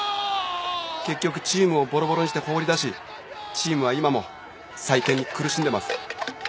結局チームをぼろぼろにして放り出しチームは今も再建に苦しんでます。